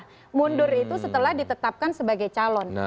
yang mundur itu setelah ditetapkan sebagai calon